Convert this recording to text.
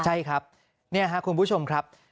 ใช่ครับนี่ครับคุณผู้ชมครับ